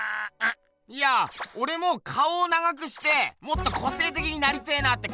いやおれも顔を長くしてもっと個性的になりてえなって。